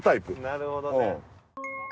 なるほどね。